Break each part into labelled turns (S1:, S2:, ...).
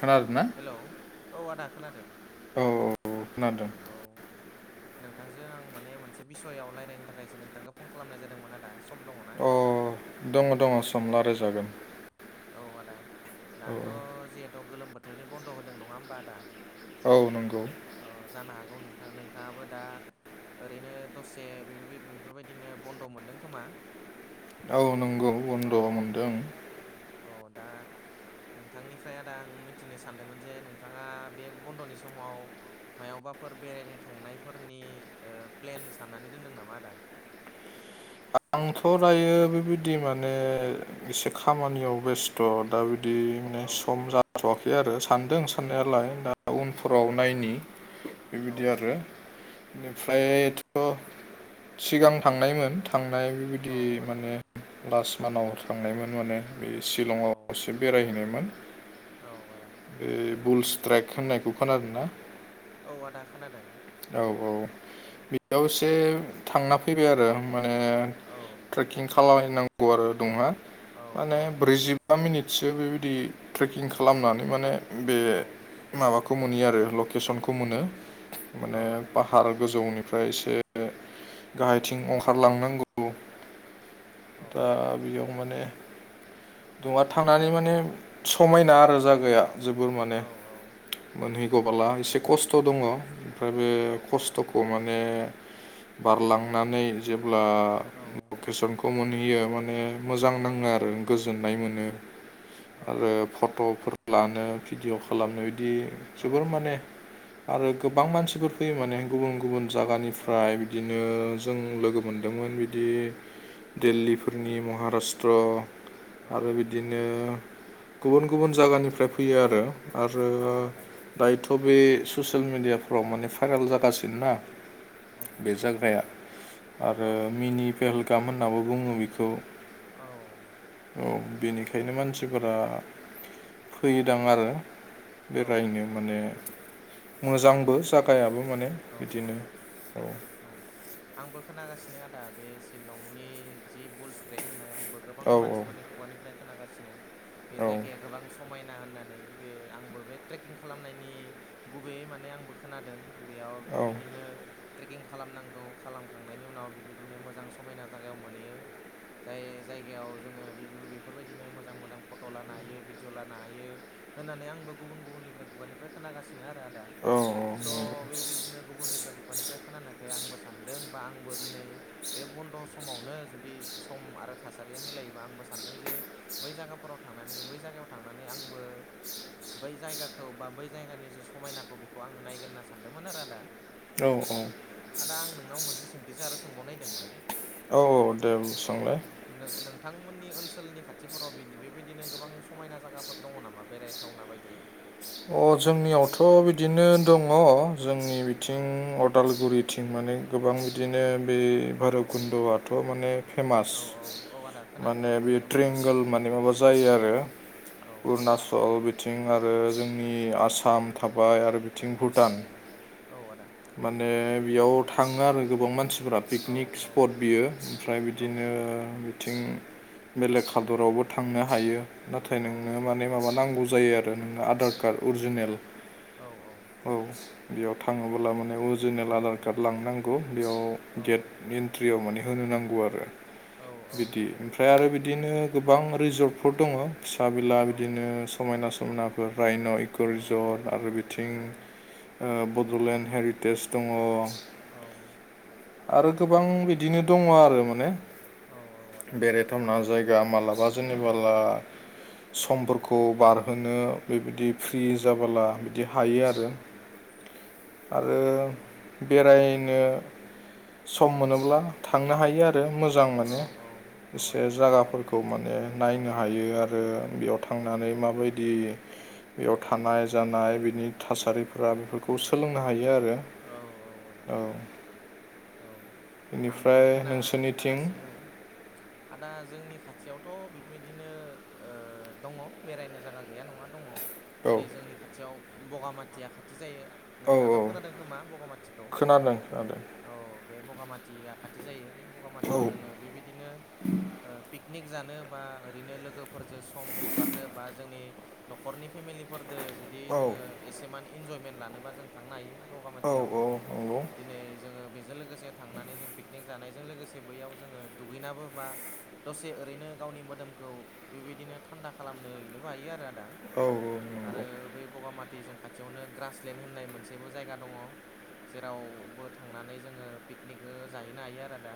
S1: खोनादों ना?
S2: हेल' औ आदा खोनादों
S1: औ औ खोनादों।
S2: औ। नोंथांजों आं माने मोनसे बिसयआव रायज्लायनो थाखायसो नोंथांखौ फन खालामनाय जादोंमोन आदा सम दंङ ना।
S1: दंङ दंङ सम रायलायजागोन
S2: औ आदा दाथ' जिहेथु गोलोम बोथोरनि बन्द' होदों नंङा होमबा आदा।
S1: औ नंगौ।
S2: अ जानो हागौ नोंथां नोंथांङाबो दा ओरैनो दसे बेफो-बेफोरबायदिनो बन्द' मोनदों खोमा
S1: औ नंगौ
S2: औ
S1: बन्द' मोनदों।
S2: औ दा नोंथांनिफ्राय आदा आं मिथिनो सानदोंमोन जे नोंथाङा बे बन्द'नि समाव मायावबाफोर बेरायनो थांनायफोरनि ओ प्लेन साननानै दोनदों नामा आदा?
S1: आंथ' दायो बेबायदि माने एसे खामानियाव बेस्ट थ' दा बिदि माने
S2: औ
S1: सम जाथ'वाखै आरो सानदों साननायालाय दा
S2: औ
S1: टाउनफोराव
S2: आदा
S1: नायनि
S2: औ
S1: बेबायदि आरो बेनिफ्राय त' सिगां थांनायमोन थांनाय
S2: औ
S1: बेबायदि
S2: आदा
S1: माने लास्ट मान्थाव थांनायमोन माने बे
S2: औ
S1: शिलंआव एसे बेरायहैनायमोन।
S2: औ आदा
S1: बे बुल स्ट्राइक होननायखौ खोनादों ना?
S2: औ आदा खोनादों
S1: औ औ बेयाव एसे थांना फैबाय आरो माने
S2: औ
S1: ट्रेकिं खालामहैनांगौ आरो दं
S2: औ
S1: माने
S2: औ
S1: ब्रैजि बा मिनिटसो बेबायदि ट्रेकिं खालामनानै माने बे
S2: औ
S1: माबाखौ मोनयो आरो लकेसनखौ मोनो
S2: औ
S1: माने
S2: आदा
S1: पा हार गोजौनिफ्राय एसे
S2: औ
S1: गाहायथिं अंखारलांनांगौ
S2: औ
S1: दा बियाव माने दङ थांनानै माने समायना आरो जायागाया जोबोर माने। मोनहैगबाला एसे खस्थ' दङ ओमफ्राय बे
S2: औ
S1: खस्थ'खौ माने बारलांनानै जेब्ला लकेसनखौ मोनहैयो माने मोजां नाङो
S2: औ औ आदा
S1: आरो गोजोननाय मोनो
S2: औ
S1: आरो फट'फोर लानो भिडिअ' खालामनो बिदि जोबोर माने आरो गोबां मानसिफोर फैयो माने गुबुन गुबुन जायगानिफ्राय बिदिनो नों जों लोगो मोनदोंमोन बिदि देल्लीफोरनि महाराष्ट्र आरो बिदिनो गुबुन गुबुन जागानिफ्राय फैयो आरो। आरो दायोथ' बे ससियेल मेडियाफ्राव माने भाइरेल जागासिनो ना बे जाग्राया आरो मिनि फहलगाम होननााबो बुङो बेखौ औ
S2: आदसा
S1: बेनिखायनो मानसिफोरा फैयोदां आरो
S2: औ आदा
S1: बेरायनो माने मोजांबो
S2: औ
S1: जागायाबो माने
S2: औ
S1: बिदिनो
S2: औ
S1: औ
S2: औ आंबो खोनागासिनो आदा बे सिलंनि जि बुल स्ट्रेक होननाय आंबो गोबां
S1: औ
S2: मानसिफोरनि खुगानिफ्राय खोनागासिनो बे
S1: औ
S2: जायगाया गोबां सु समायना होननानै बे आंबो बे ट्रेकिं खालामनायनि गुबैयै माने आंबो खोनादों बेयाव बिबेदिनो ट्रेकिं खालामनांगौ खालामखांनायनि उनाव बिबेदिनो मोजां समायना जायगायाव मोनहैयो जाय जायगायाव जोङो बिब बिफोरबायदिनो मोजां मोजां फट' लानो हायो भिडिअ लानो हायो होननानै आंबो गुबुन गुबुननिफ्राय खुगानिफ्राय खोनागासिनो नो आरो आदा स' बेबायदिनो गुबुननिफ्राय खु गानिफ्राय खोनानायखाय आंबो सानदों बा आंबो दिनै बे बन्द' समावनो जुदि सम आरो थासारिया मिलायोबा आंबो सानदों जे बै जागाफोराव थांनानै बै जायगायाव थांनानै आंबो बै जायगाखौ बा बै जायगानि जे समायनाखौ बेखौ आङो नायगोन होनना सानदोंमोन आरो आदा
S1: औ औ
S2: आदा आं नोंनाव मोनसे सोंथि सो आरो सोंबावनायदोंमोन
S1: औ दे
S2: औ
S1: सोंलाय
S2: नो-नोंथांमोननि ओनसोलनि खाथिफोराव बिदि बेबायदिनो गोबां समायना जायाफोर दङ नामा बेराय थावना बायदि
S1: अ जोंनियावथ' बिदिनो दङ जोंनि
S2: औ
S1: बिथिं अदालगुरिथिं माने गोबां बिदिनो बे
S2: औ
S1: भैरबकुन्द'आथ' माने फेमास।
S2: औ औ आदा खोनादों
S1: माने
S2: आंबो
S1: बे
S2: भैरबखुन्द'
S1: ट्रेंगोल माने माबा जायो आरो
S2: औ औ
S1: उरनाचल बिथिं आरो जोंनि
S2: औ
S1: आसाम थाबाय आरो बिथिं भुटान।
S2: औ आदा।
S1: माने बेयाव थाङो आरो गोबां मानसि फोरा पिकनिक स्पट बियो। ओमफ्राय बिदिनो [unintelligible] बेलेग हादरावबो थांनो हायो। नाथाय नोंनो माने माबा नांगौ जायो आरो नोंनो आधार कार्ड अरिजिनेल।
S2: औ औ।
S1: औ। बेयाव थाङोब्ला माने अरिजिनेल आधार कार्ड लांनांगौ बेयाव गेट एन्ट्रियाव माने होनो नांगौ आरो बिदि ओमफ्राय आरो बिदिनो गोबां रिजर्टफोर दङ। फिसा बिला बिदिनो समायना समायनाफोर राय न' इक' रिजर्ट आरो बिथिं ओ बड'लेण्ड हेरिटेज दङ।
S2: औ।
S1: आरो गोबां बिदिनो दङ आरो माने
S2: औ औ आदा।
S1: नोंथांमोना जायगा माबलाबा जेनेबाला समफोरखौ बारहोनो बेबादि फ्रि जाबोला बिदि हायो आरो। आरो बेरायनो सम मोनोब्ला थांनो हायो आ‌ रो मोजां मोनो। एसे जागाफोरखौ माने नायनो हायो आरो बेयाव
S2: औ
S1: थांनानै माबायदि बेयाव थानाय जानाय बिनि थासारिफोरा बेफोरखौ सोलोंनो हायो आरो।
S2: औ औ आदा। औ आंबो
S1: बेनिफ्राय
S2: खोना
S1: नोंसोरनिथिं
S2: खोनागासिनो। आदा जोंनि खाथियावथ' बेबायदिनो ओ दङ बेरायनो जायगा गैया नङा दङ।
S1: औ
S2: दिनै जोंनि खाथियाव बगामाथिया खाथि जायो।
S1: औ
S2: नोंथाङाथ' खोनादों खोमा बगामाथिखौ
S1: खोनादों खोनादों
S2: औ बे बगामाथिया खाथि जायो। बे
S1: औ
S2: बगामाथियाव जोङो बेबायदिनो ओ पिकनिक जानो बा ओरैनो लोगोफोरजों सम हगारनो बा जोंनि न'खरनि फेमिलिफोरजों जुदि
S1: औ
S2: जोङो एसेमान इन्जयमेन्ट लानोबा जों थांनो हायो।
S1: औ
S2: बगामाथियाव
S1: औ नंगौ
S2: दिनै जोङो बेजों लोगोसे थांनानै जों पिकनिक जानायजों लोगोसे बैयाव जोङो दुगैनाबो बा दसे ओरैनो गावनि मोदोमखौ बेबायदिनो थान्दा खालामनो हैनोबो हायो आरो आदा।
S1: औ नंगौ
S2: आरो बै बगामाथि जों खाथियावनो ग्रासलेण्ड होननाय मोनसेबो जायगा ‌ दङ। जेरावबो थांनानै जोङो पिकनिक ओ जाहैनो हायो आरो आदा।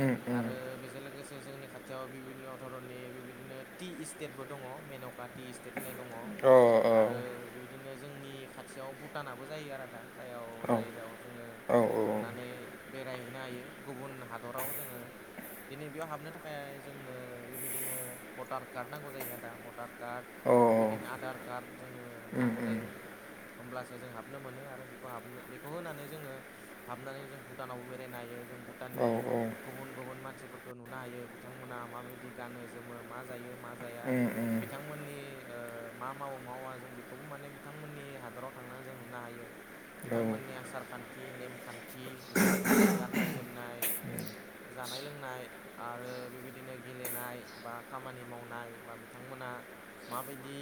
S1: उम उम
S2: आरो बेजों लोगोसे जोंनि खाथियाव बिभिन्न' धरननि बेबायदिनो टि इस्टेटबो दङ मेन'काट टि स्टेट होननाय दङ।
S1: अ औ
S2: आरो बेबायदिनो जोंनि खाथियाव भुटानाबो जायो आरो आदा। जायाव जाय
S1: औ
S2: जायाव जोङो
S1: औ
S2: थांनानै बे रायहैनो हायो गुबुन हादराव जोङो। दिनै बेयाव हाबनो थाखाय जोंनो बेबायदिनो भटार कार्ड नांगौ जायो आदा भटार कार्ड
S1: औ
S2: बेबायदिनो आधार कार्ड जोङो
S1: उम
S2: नांगौ
S1: उम
S2: जायो होमब्लासो जों हाबनो मोनो आरो बे हाबनो बेखौ होनानै जोङो हाबनानै जों भुटानावबो बेरायनो हायो जों
S1: औ
S2: भुटाननि गुबुन गुबुन मानसिफोरखौ नुनो हायो बिथांमोना माबायदि गानो जोमो मा जायो मा जाया।
S1: उम उम
S2: बिथां मोननि ओ मा मावो मावा जों बेखौबो माने बिथांमोननि हादराव थांनानै जों नुनो हायो।
S1: औ
S2: बिथांमोननि आसार खान्थि नेमखान्थि बेजों लोगोसे गाननाय जोमनाय जानाय- लोंनाय आरो बेबायदिनो गेलेनाय बा खामानि मावनाय बा बिथांमोना माबायदि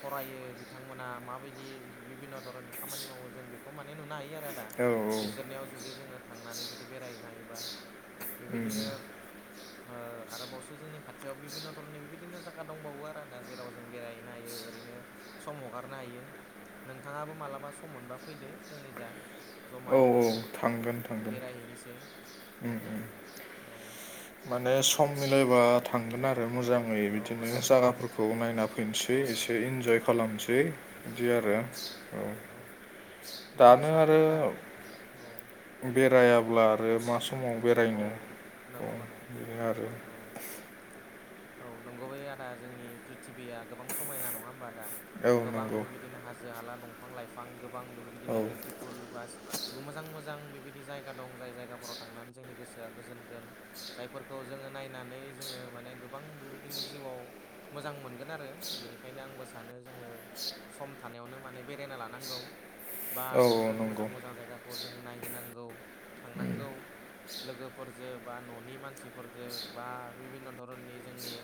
S2: फरायो बिथांमोना माबायदि बिभिन्न' धरननि खामानि मावो जों बेखौ खौ माने नुनो हायो आरो आदा
S1: औ
S2: बिसोरनियाव जुदि जोङो थांनानै जुदि बेरायहैनो हायोबा।
S1: उम
S2: बेबायदिनो आरोबावसो जोंनि खाथियाव बिभिन्न' धरननि बेबायदिनो जाखा दंबावो आरो ना जेराव जों बेरायहैनो हायो ओरैनो सम हगारनो हायो। नोंथाङाबो मालाबा सम मोनबा फैदो। जोंनि जा
S1: औ
S2: जमायैनो
S1: थांगोन थांगोन
S2: बेरायहैनोसै।
S1: उम उम
S2: औ
S1: माने सम मिलायबा थांगोन आरो मोजां आङै
S2: औ
S1: बिदिनो
S2: आदा
S1: जागाफोरखौ नायना फैनोसै
S2: औ
S1: एसे इन्जय
S2: औ
S1: खालामनोसै बिदि आरो।
S2: औ औ आंबो
S1: दानो
S2: सानो
S1: आरो
S2: आदा औ
S1: बेरायाब्ला आरो मा समाव
S2: औ
S1: बेरायनो औ
S2: नंगौ आदा
S1: बेनो आरो
S2: औ औ नंगौ बै आदा जोंनि प्रिथि्बिया गोबां समायना नङा हबा आदा?
S1: औ
S2: गोबां
S1: नंगौ
S2: बेबायदिनो हाजो जोंहाला दंफां -लाइफां गोबां
S1: औ
S2: बिदिनो बिउटिफुल बास मोजां -मोजां बेबायदि जायगा दं जाय जायगाफोराव थांनानै जोंनि गोसोआ गोजोनगोन। जायफोरखौ जोङो नायनानै जोङो माने गोबां बेबायदिनो जिउआव मोजां मोनगोन आरो बेनिखायनो आंबो सानो जोङो सम थानायावनो माने बेरायना लानांगौ बा
S1: औ औ
S2: बेबायदिनो मोजां
S1: नंगौ
S2: -मोजां जायगा खौ जों नायहैनांगौ
S1: उम,
S2: थांनांगौ लोगोफोरजों बा न'नि मानसिफोरजों बा बिभिन्न' धरननि जोंनि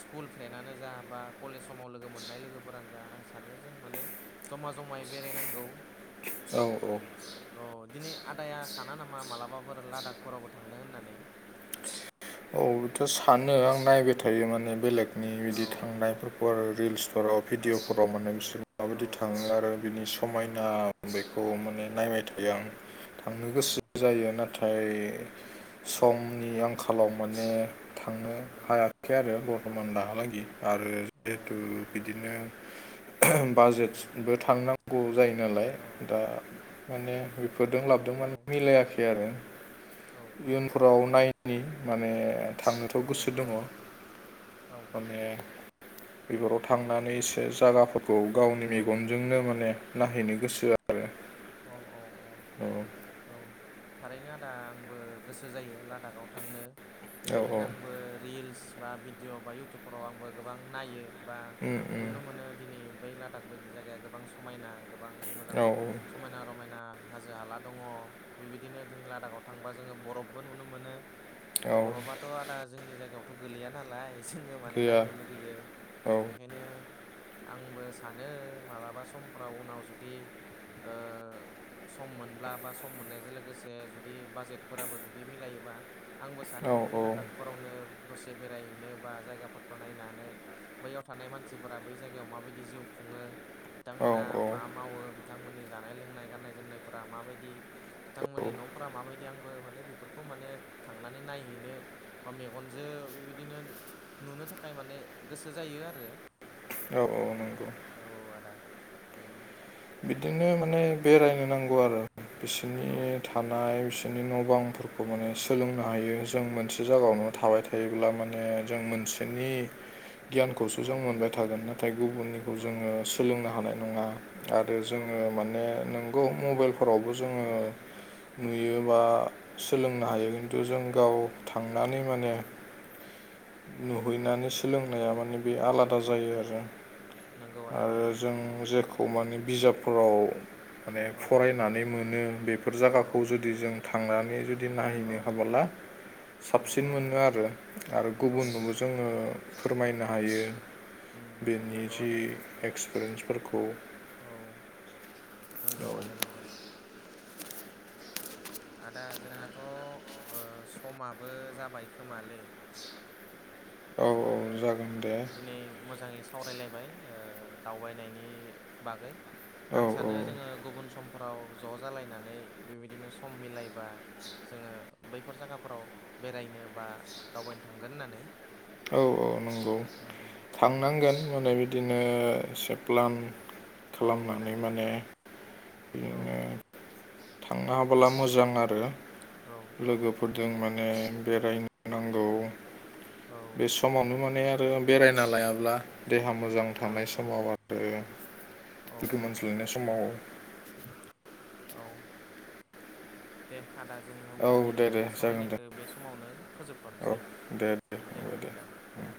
S2: स्कुल फ्रेन्डनानो जा बा कलेज समाव लोगो मोननाय लोगोफोरानो जा आं सानो जों माने जमा- जमायै बेरायनांगौ
S1: औ औ
S2: अ दिनै आदाया साना नामा मालाबाफोर लादाखफोरावबो थांनो होननानै?
S1: आंथ' सानो आं नायबाय थायो माने बेलेग नि
S2: औ
S1: बिदि थांनायफोरखौ आरो रिल्सफोराव
S2: औ
S1: भिडिअफोराव मोनो बिसोरो
S2: औ
S1: माबायदि थाङो आरो बिनि
S2: औ
S1: समायना बेखौ माने नायबाय
S2: औ
S1: थायो आं। थांनो
S2: औ
S1: गोसो जायो, नाथाय समनि आंखालाव माने थांनो
S2: औ
S1: हायाखै आरो ब समान दाहालागि आरो जिहेथु बिदिनो बाजेटबो थांनांगौ जायो नालाय दा माने बेफोरजों लाबोदोंमोन माने मिलायाखै आरो
S2: औ
S1: इयुनफोराव नायनि माने
S2: औ
S1: आंनोथ' गोसो दङ।
S2: आदा औ
S1: माने बेफोराव थांनानै एसे जायागाफोरखौ गावनि
S2: औ
S1: मेगनजोंनो माने नायहैनो गोसो आरो
S2: औ औ औ औ थारैनो आदा आंबो गोसो जायो लादाखाव थांनो।
S1: औ
S2: बेबायदिनो आंबो रिल्स बा भिडिअ' बा इयउटुबफोराव आंबो गोबां नायो बा
S1: उम उम
S2: नुनो मोनो दिनै बै लादाख बायदि जायगाया गोबां समायना गोबां मोजां
S1: औ
S2: समायना- रमायना हाजो हाला दङ। बेबायदिनो जों लादाखाव थांबा जोङो बरफबो नुनो मोनो।
S1: औ
S2: बर'बाथ' आदा जोंनि जायगायावथ' गोलैया नालाय जोङो माने
S1: गैया
S2: नायनो लुगैयो।
S1: औ
S2: बेखायनो आंबो सानो मालाबा समफ्राव उनाव जुदि ओ सम मोनब्ला बा सम मोननायजों लोगोसे जुदि बाजेटफोराबो जुदि मिलायोबा आंबो
S1: औ
S2: सानो बै
S1: औ
S2: लादाखफोरावनो दसे बेरायहैनो बा जायगाफोरखौ नायनानै बैयाव थानाय मानसिफोरा बै जायगायाव माबायदि जिउ खुङो
S1: औ
S2: बिथांमोना मा मावो बिथांमोननि जानाय लोंनाय गाननाय जोमनायफोरा माबायदि
S1: औ
S2: बिथांमोननि न'फोरा माबायदि आंबो माने बेफोरखौ माने थांनानै नायहैनो बा मेगनजों बेबायदिनो नुनो थाखाय माने गोसो जायो आरो
S1: औ औ नंगौ
S2: औ आदा बेनो
S1: बिदिनो माने बेरायनो नांगौ आरो
S2: औ
S1: बिसिनि था थानाय बिसोरनि न' बांफोरखौ माने
S2: औ
S1: सोलोंनो हायो जों मोनसे
S2: औ
S1: जायगायावनो थाबाय था जायोब्ला माने जों मोनसेनि गियानखौसो
S2: औ
S1: जों मोनबाय थागोन नाथाय गुबुननिखौ जोङो सोलोंनो हानाय नङा आर आरो
S2: औ
S1: जोङो माने नोंगौ मबाइलफोरावबो जोङो नुयो बा सोलोंनो हायो खिन्थु जों गाव थांनानै
S2: औ
S1: माने नुहैनानै सोलोंनाया माने बे आला दा
S2: औ
S1: जायोआरो
S2: नंगौ आदा
S1: आरो
S2: नंगौ
S1: जों जेखौ माने बिजाबफोराव माने
S2: औ
S1: फरायनानै मोनो बेफोर जायगाखौ जुदि जों थांनानै जुदि नायहैनो
S2: औ
S1: हाबा ब्ला
S2: औ
S1: साबसिन मोनोआरो आरो
S2: औ
S1: गुबुननोबो जोङो फोरमायनो हायो
S2: उम
S1: बेनि
S2: नंगौ
S1: जि
S2: आदा
S1: एक्सपिरियेन्सफोरखौ
S2: औ नंगौ
S1: औ
S2: आदा नंगौ आदा जोंनाथ' ओ समाबो जाबाय खोमालै
S1: औ औ जागोन दे
S2: बे मोजाङै सा सावरायलायबाय ओ दावबायनायनि बागै
S1: औ
S2: आं सानो जोङो गुबुन समफ्राव ज' जालायनानै बेबायदिनो सम मिलायबा जोङो बैफोर जायगाफोराव बेरायनो बा दावबायनो थांगोन होननानै
S1: औ औ नंगौ थांनांगोन माने बिदिनो एसे प्लान
S2: औ आदा
S1: खालामनानै माने ओ
S2: औ
S1: थांनो हाबोला मोजां आरो
S2: औ औ
S1: लोगोफोर जों माने बेरायनांगौ
S2: औ
S1: बे स समावनो माने आरो बेरायना लायाब्ला देहा मोजां थानाय समाव आरो
S2: औ औ
S1: मोनमोन सोलायनाय समाव
S2: औ दे आदा जोङो
S1: औ
S2: होनबा
S1: दे
S2: दिनैनि
S1: दे
S2: बे
S1: जागोन दे
S2: सावरायनायखौ बे समावनो
S1: औ
S2: फोजोबथानोसै
S1: दे
S2: दे
S1: औ
S2: आदा औ